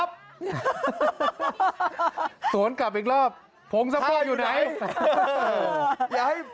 กระมังสักผ้า